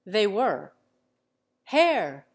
They were: "Hare!